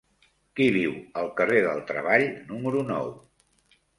Qui viu al carrer del Treball número nou?